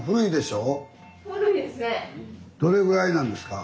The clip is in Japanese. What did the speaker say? どれぐらいなんですか？